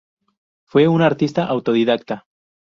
Fue un artista autodidacta.